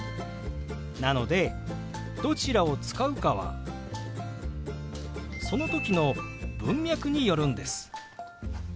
なのでどちらを使うかはその時の文脈によるんです。